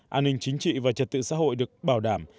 an ninh chính trị và trật tự xã hội được bảo đảm